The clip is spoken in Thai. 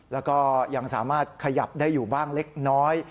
แล้วก็ยังสามารถขยับได้อยู่บ้างเล็กน้อย